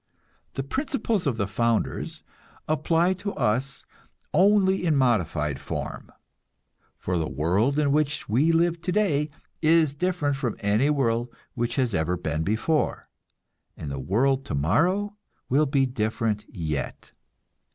The "principles of the founders" apply to us only in modified form; for the world in which we live today is different from any world which has ever been before, and the world tomorrow will be different yet.